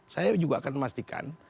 saya juga akan memastikan